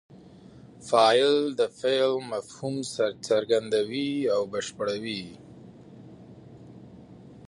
فاعل د فعل مفهوم څرګندوي او بشپړوي.